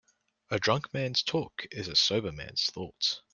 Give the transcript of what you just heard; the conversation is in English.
A drunk man's talk is a sober man's thought.